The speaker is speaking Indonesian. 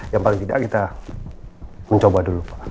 yang paling tidak kita mencoba dulu